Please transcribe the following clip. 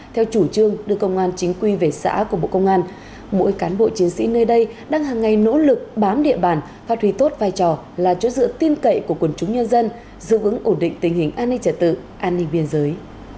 theo chủ trương đưa công an chính quy về xã của bộ công an mỗi cán bộ chiến sĩ nơi đây đang hàng ngày nỗ lực bám địa bàn phát huy tốt vai trò là chỗ dựa tin cậy của quần chúng nhân dân giữ vững ổn định tình hình an ninh trả tự an ninh biên giới